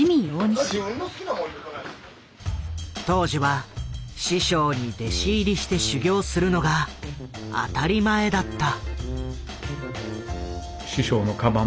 当時は師匠に弟子入りして修業するのが当たり前だった。